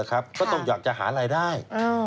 ก็ต้องอยากจะหารายได้